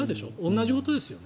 同じことですよ。